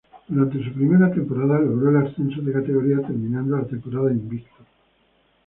Durante su primera temporada, logró el ascenso de categoría, terminando la temporada invicto.